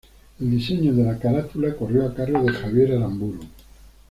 El diseño de la carátula corrió a cargo de Javier Aramburu.